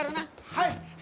はい！